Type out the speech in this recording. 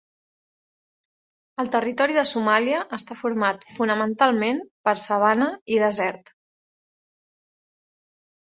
El territori de Somàlia està format fonamentalment per sabana i desert.